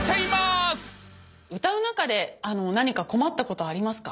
歌う中で何か困ったことありますか？